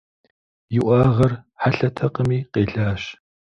И уӏэгъэр хьэлъэтэкъыми къелащ.